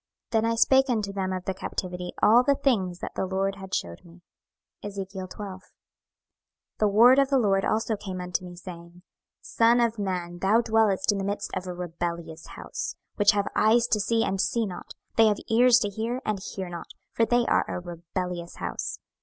26:011:025 Then I spake unto them of the captivity all the things that the LORD had shewed me. 26:012:001 The word of the LORD also came unto me, saying, 26:012:002 Son of man, thou dwellest in the midst of a rebellious house, which have eyes to see, and see not; they have ears to hear, and hear not: for they are a rebellious house.